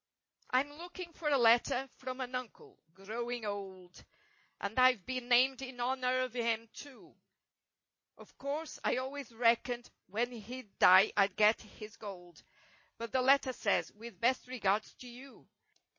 Fm looking for a letter from an uncle—growing old, And Fve been named in honor of him, too; Of course I always reckoned when he'd die Fd get his gold— But the letter says—"With best regards to you!